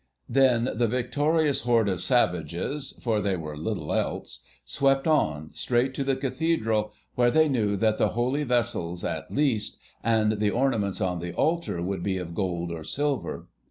Then the victorious hoard of savages, for they were little else, swept on, straight to the Cathedral, where they knew that the holy vessels, at least, and the ornaments on the altar, would be of gold or silver.